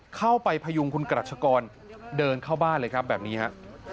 พยุงคุณกรัชกรเดินเข้าบ้านเลยครับแบบนี้ฮะ